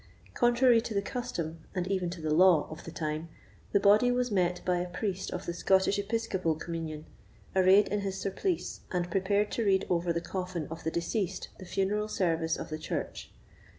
Contrary to the custom, and even to the law, of the time, the body was met by a priest of the Scottish Episcopal communion, arrayed in his surplice, and prepared to read over the coffin of the deceased the funeral service of the church.